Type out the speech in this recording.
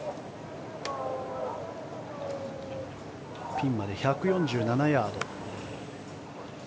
ピンまで１４７ヤード。